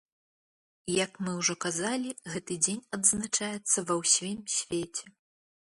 Як мы ўжо казалі, гэты дзень адзначаецца ва ўсім свеце.